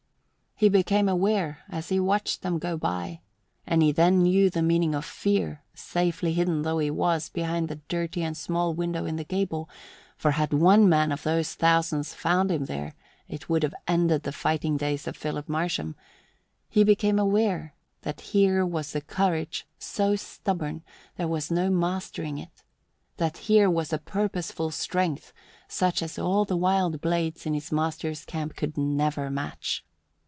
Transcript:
He became aware, as he watched them go by and he then knew the meaning of fear, safely hidden though he was, behind the dirty and small window in the gable; for had one man of those thousands found him there, it would have ended the fighting days of Philip Marsham he became aware that here was a courage so stubborn there was no mastering it; that here was a purposeful strength such as all the wild blades in his master's camp could never match.